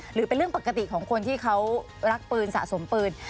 หรือเป็นเรื่องปกติของคนที่เขารักปืนสะสมปืน